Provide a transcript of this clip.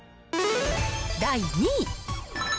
第２位。